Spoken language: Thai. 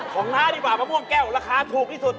น้าดีกว่ามะม่วงแก้วราคาถูกที่สุด